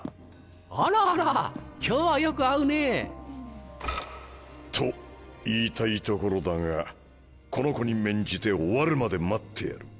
あらあら今日はよく会うねぇ。と言いたいところだがこの子に免じて終わるまで待ってやる。